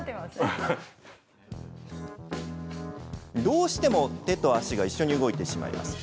どうしても、手と足が一緒に動いてしまいます。